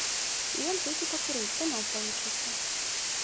І ён выйдзе пакурыць, да нас далучыцца.